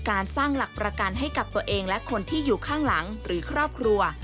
การสร้างหลักประกันให้กับตัวเองและคนที่อยู่ข้างหลังหรือครอบครัว